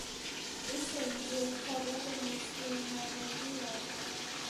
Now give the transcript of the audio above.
ისინი ძირითადად მუსლიმანები არიან.